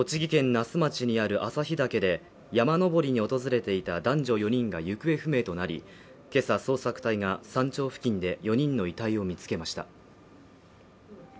那須町にある朝日岳で山登りに訪れていた男女４人が行方不明となりけさ捜索隊が山頂付近で４人の遺体を見つけました